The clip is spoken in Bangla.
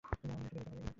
আমি নেতৃত্ব দিতে পারি।